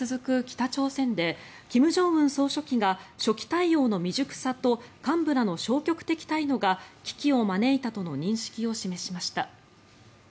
北朝鮮で金正恩総書記が初期対応の未熟さと幹部らの消極的態度が危機を招いたとの認識を示しました。